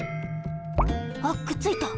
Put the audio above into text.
あっくっついた。